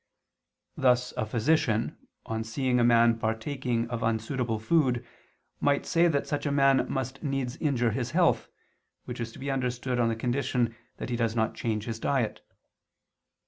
Thus a physician on seeing a man partaking of unsuitable food might say that such a man must needs injure his health, which is to be understood on the condition that he does not change his diet.